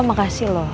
om makasih loh